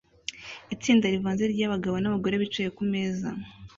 Itsinda rivanze ryabagabo nabagore bicaye kumeza